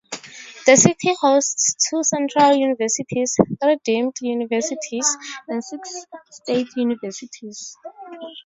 The city hosts two central universities, three deemed universities, and six state universities.